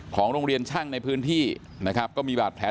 ของโรงเรียนช่างในพื้นที่นะครับก็มีบาดแผล